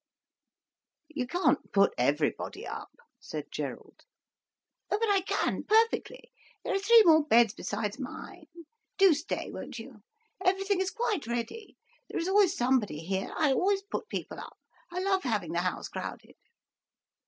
"You can't put everybody up," said Gerald. "Oh but I can, perfectly—there are three more beds besides mine—do stay, won't you. Everything is quite ready—there is always somebody here—I always put people up—I love having the house crowded."